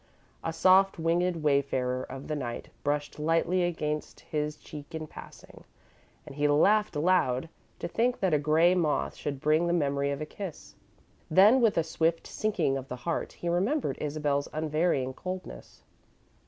A soft winged wayfarer of the night brushed lightly against his cheek in passing, and he laughed aloud, to think that a grey moth should bring the memory of a kiss. Then, with a swift sinking of the heart, he remembered Isabel's unvarying coldness.